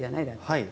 はい。